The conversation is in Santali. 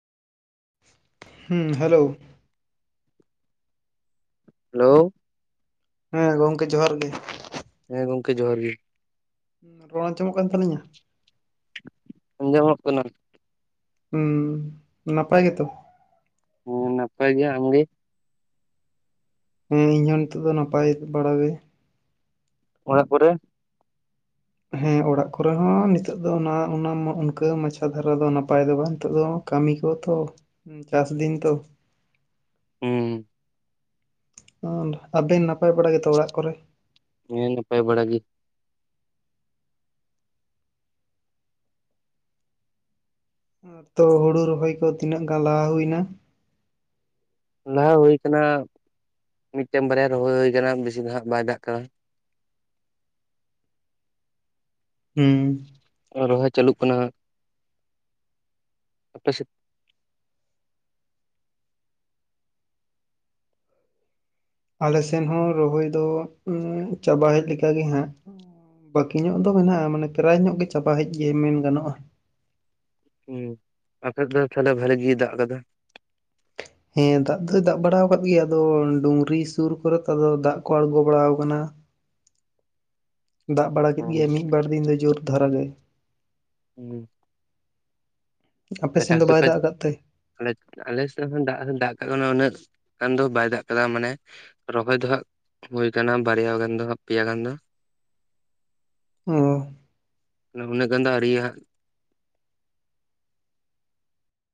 ᱦᱩᱸ, ᱦᱮᱞᱳ! ᱦᱮᱞᱳᱻ ᱦᱮᱸ ᱜᱚᱝᱠᱮ ᱡᱚᱦᱟᱨ ᱜᱮ ᱾ ᱦᱮᱸ ᱜᱚᱝᱠᱮ ᱡᱚᱦᱟᱨ ᱜᱮ ᱾ ᱦᱩᱸ ᱨᱚᱲ ᱟᱸᱡᱚᱢᱚᱜ ᱠᱟᱱ ᱛᱟᱞᱤᱧᱟ! ᱟᱸᱡᱚᱢᱚᱜ ᱠᱟᱱᱟ ᱾ ᱦᱩᱸ, ᱱᱟᱯᱟᱭ ᱜᱮᱛᱚ? ᱦᱩᱸ ᱱᱟᱯᱟᱭ ᱜᱮᱭᱟ, ᱟᱢᱜᱮ? ᱦᱮᱸ ᱤᱧᱦᱚᱸ ᱱᱤᱛᱚᱜ ᱫᱚ ᱱᱟᱯᱟᱭ ᱵᱟᱲᱟ ᱜᱮ ᱾ ᱚᱲᱟᱜ ᱠᱚᱨᱮ? ᱦᱮᱸ ᱚᱲᱟᱜ ᱠᱚᱨᱮ ᱦᱚᱸ ᱱᱤᱛᱚᱜ ᱫᱚ ᱚᱱᱟ ᱚᱱᱟ ᱢᱟ ᱩᱱᱠᱟᱹ ᱢᱟᱪᱷᱟ ᱫᱷᱟᱨᱟ ᱫᱚ ᱱᱟᱯᱟᱭ ᱫᱚ ᱵᱟᱝ ᱱᱤᱛᱚᱜ ᱫᱚ ᱾ ᱠᱟᱹᱢᱤ ᱠᱚ ᱛᱚ ᱩᱸ ᱪᱟᱥ ᱫᱤᱱ ᱛᱚ ᱾ ᱦᱩᱸᱻ ᱟᱨ ᱟᱵᱮᱱ ᱱᱟᱯᱟᱭ ᱵᱟᱲᱟ ᱜᱮᱛᱚ ᱚᱲᱟᱜ ᱠᱚᱨᱮ? ᱦᱮᱸ ᱱᱟᱯᱟᱭ ᱵᱟᱲᱟ ᱜᱮ ᱾ ᱟᱨ ᱛᱚ ᱦᱩᱲᱩ ᱨᱚᱦᱚᱭ ᱠᱚ ᱛᱤᱱᱟᱹᱜ ᱜᱟᱱ ᱞᱟᱦᱟ ᱦᱩᱭᱱᱟ? ᱞᱟᱦᱟ ᱦᱩᱭ ᱠᱟᱱᱟ ᱢᱤᱫᱴᱮᱱ ᱵᱟᱨᱭᱟ ᱨᱚᱦᱚᱭ ᱦᱩᱭ ᱠᱟᱱᱟ ᱵᱮᱥᱤ ᱫᱚ ᱦᱟᱜ ᱵᱟᱭ ᱫᱟᱜ ᱠᱟᱫᱟ ᱾ ᱦᱩᱸᱻ ᱟ ᱨᱚᱦᱚᱭ ᱪᱟᱹᱞᱩᱜ ᱠᱟᱱᱟ, ᱟᱯᱮ ᱥᱮᱫ? ᱟᱞᱮ ᱥᱮᱫ ᱦᱚᱸ ᱨᱚᱦᱚᱭ ᱫᱚ ᱩᱸᱻ ᱪᱟᱵᱟ ᱦᱮᱡ ᱞᱮᱠᱟᱜᱮ ᱦᱟᱸᱜ ᱾ ᱵᱟᱹᱠᱤ ᱧᱚᱜ ᱫᱚ ᱢᱮᱱᱟᱜᱼᱟ ᱢᱟᱱᱮ ᱯᱨᱟᱭ ᱧᱚᱜ ᱜᱮ ᱪᱟᱵᱟ ᱦᱮᱡ ᱜᱮ ᱢᱮᱱ ᱜᱟᱱᱚᱜᱼᱟ ᱾ ᱦᱩᱸ, ᱟᱯᱮ ᱥᱮᱫ ᱫᱚ ᱛᱟᱦᱚᱞᱮ ᱵᱷᱟᱞᱤ ᱜᱮ ᱫᱟᱜ ᱟᱠᱟᱫᱟ? ᱦᱮᱸ ᱫᱟᱜ ᱫᱚᱭ ᱫᱟᱜ ᱵᱟᱲᱟ ᱟᱠᱟᱫ ᱜᱮᱭᱟ ᱟᱫᱚ ᱰᱩᱝᱨᱤ ᱥᱩᱨ ᱠᱚᱨᱮ ᱛᱚ ᱟᱫᱚ ᱫᱟᱜ ᱠᱚ ᱟᱬᱜᱚ ᱵᱟᱲᱟ ᱟᱠᱟᱱᱟ ᱾ ᱫᱟᱜ ᱵᱟᱲᱟ ᱠᱮᱫ ᱦᱩᱸ ᱜᱮᱭᱟ ᱢᱤᱫ-ᱵᱟᱨ ᱫᱤᱱ ᱫᱚ ᱡᱳᱨ ᱫᱷᱟᱨᱟ ᱜᱮ ᱾ ᱦᱩᱸ ᱾ ᱟᱯᱮ ᱛᱟᱦᱞᱮ ᱥᱮᱱ ᱫᱚ ᱪᱟᱥ ᱵᱟᱭ ᱫᱚᱯᱮ ᱫᱟᱜ ᱟᱠᱟᱫ ᱛᱮ? ᱟ ᱟᱞᱮ ᱥᱮᱫ ᱦᱚᱸ ᱫᱟᱜ ᱦᱚᱸ ᱫᱟᱜ ᱠᱟᱜ ᱠᱟᱱᱟ ᱩᱱᱟᱹᱜ ᱜᱟᱱ ᱫᱚ ᱵᱟᱭ ᱫᱟᱜ ᱟᱠᱟᱫᱟ ᱢᱟᱱᱮ ᱨᱚᱦᱚᱭ ᱫᱚ ᱦᱟᱸᱜ ᱦᱳᱭ ᱟᱠᱟᱱᱟ ᱵᱟᱨᱭᱟ ᱜᱟᱱ ᱫᱚ ᱦᱟᱜ ᱯᱮᱭᱟ ᱜᱟᱱ ᱫᱚ ᱾ ᱚᱻ ᱚᱱᱟᱹᱜ ᱜᱟᱱ ᱫᱚ ᱟᱹᱣᱨᱤ ᱦᱟᱜ